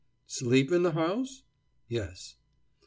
"Sleep in the house?" "Yes."